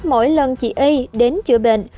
mỗi lần chị y đến chữa bệnh